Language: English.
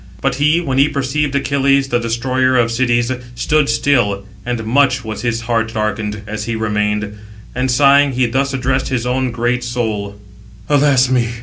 But he, when he perceived Achilles, the destroyer of cities, stood still, and much his heart was darkened 692 as he remained; and sighing, he thus addressed his own great hearted soul: "Alas, me!